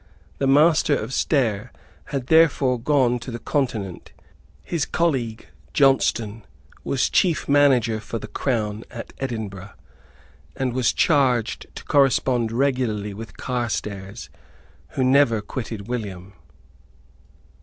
The Master of Stair had therefore gone to the Continent. His colleague, Johnstone, was chief manager for the Crown at Edinburgh, and was charged to correspond regularly with Carstairs, who never quitted William.